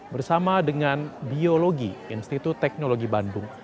bersama dengan biologi institut teknologi bandung